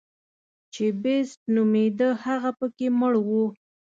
چې بېسټ نومېده هغه پکې مړ و.